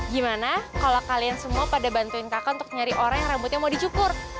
gimana kalau kalian semua pada bantuin kakak untuk nyari orang yang rambutnya mau dicukur